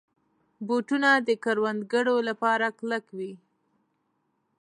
بوټونه د کروندګرو لپاره کلک وي.